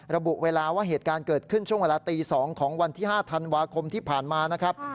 ระบุเวลาว่าเหตุการณ์เกิดขึ้นช่วงเวลาตี๒ของวันที่๕ธันวาคมที่ผ่านมานะครับ